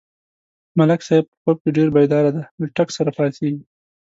ملک صاحب په خوب کې ډېر بیداره دی، له ټک سره پا څېږي.